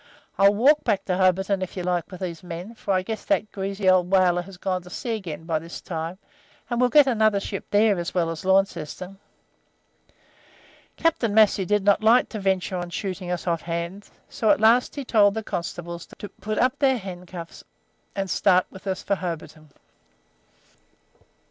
I'll walk back to Hobarton, if you like, with these men, for I guess that greasy old whaler has gone to sea again by this time, and we'll get another ship there as well as at Launceston.' "Captain Massey did not like to venture on shooting us off hand, so at last he told the constables to put up their handcuffs and start with us for Hobarton.